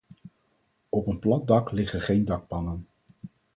Op een plat dak liggen geen dakpannen.